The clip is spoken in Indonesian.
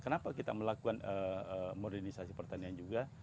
kenapa kita melakukan modernisasi pertanian juga